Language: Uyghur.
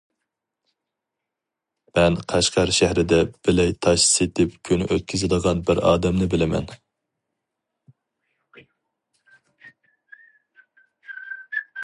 مەن قەشقەر شەھىرىدە بىلەي تاش سېتىپ كۈن ئۆتكۈزىدىغان بىر ئادەمنى بىلىمەن.